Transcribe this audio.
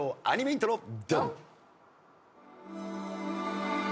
アニメイントロ。